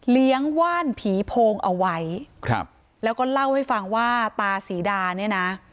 ว่านผีโพงเอาไว้ครับแล้วก็เล่าให้ฟังว่าตาศรีดาเนี่ยนะ